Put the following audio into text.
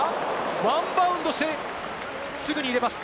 ワンバウンドして、すぐに入れます。